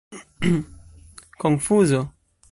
konfuzo